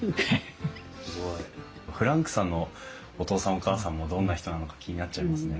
すごいフランクさんのお父さんお母さんもどんな人なのか気になっちゃいますね。